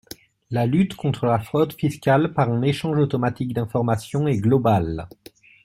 La lutte contre la fraude fiscale par un échange automatique d’information est globale.